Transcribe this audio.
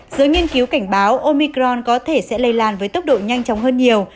giới nghiên cứu cảnh báo omicron có thể sẽ lây lan với tốc độ nhanh chóng hơn nhiều